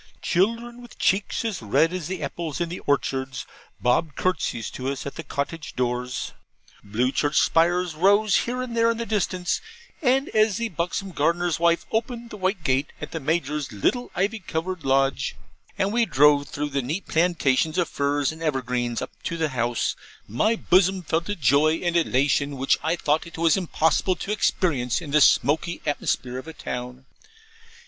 Children, with cheeks as red as the apples in the orchards, bobbed curtsies to us at the cottage doors. Blue church spires rose here and there in the distance: and as the buxom gardener's wife opened the white gate at the Major's little ivy covered lodge, and we drove through the neat plantations of firs and evergreens, up to the house, my bosom felt a joy and elation which I thought it was impossible to experience in the smoky atmosphere of a town.